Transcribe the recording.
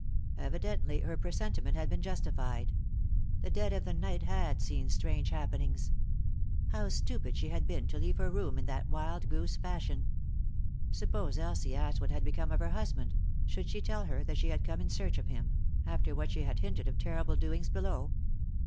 Evidently her presentiment had been justified ; the dead of the night had seen strange happenings. How stupid she had been to leave her room in that wild goose fashion 1 Suppose Elsie asked what had become of her husband, 5 3i 9 iii^d by Google THE INTERRUPTED KISS should she tell her that she had come in search of him, after what she had hinted of terrible doings below